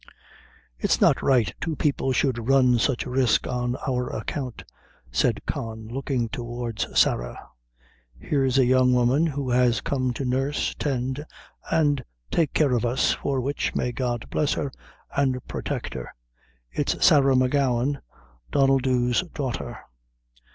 "It's not right two people should run sich risk on our account," said Con, looking towards Sarah; "here's a young woman who has come to nurse, tend and take care of us, for which, may God bless her, and protect her! it's Sarah M'Gowan, Donnel Dhu's daughter."